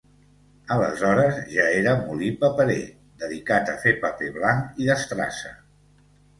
Aleshores ja era molí paperer, dedicat a fer paper blanc i d'estrassa.